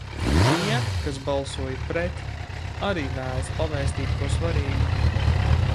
"Tie, kas balsoja "pret", arī vēlas pavēstīt ko svarīgu."